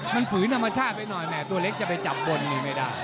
มันฝืนธรรมชาติไปหน่อยแม่ตัวเล็กจะไปจับบนนี่ไม่ได้